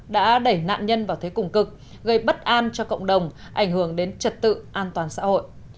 đã đẩy nạn nhân vào thế củng cực gây bất an cho cộng đồng ảnh hưởng đến trật tự an toàn xã hội